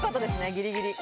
ギリギリ。